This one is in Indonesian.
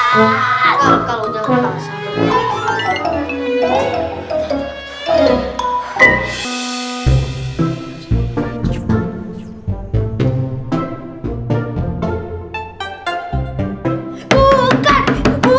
kalau jawabannya apa sih